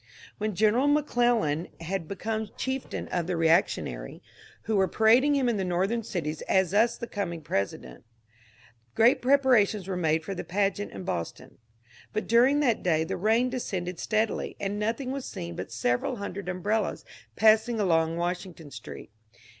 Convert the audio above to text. When General McClellan had become chieftain of the reactionary, who were parading him in the Northern cities as the coming President, great preparations were made for the pageant in Boston ; but during that day the rain descended steadily, and nothing was seen but several hundred umbrellas passing along Washington Street.